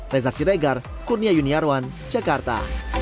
reza siregar kurnia yuniarwan jakarta